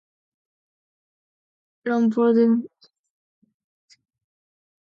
Lombardo and Ramsey continued to perform occasionally as John and Mary between tours.